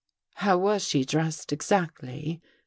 " How was she dressed, exactly?